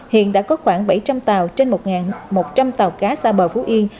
hiện đã có khoảng bảy trăm linh tàu trên một một trăm linh tàu cá xa bờ phú yên